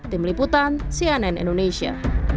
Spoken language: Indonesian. tim liputan cnn indonesia